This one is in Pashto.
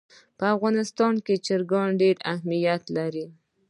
په افغانستان کې چرګان ډېر اهمیت لري.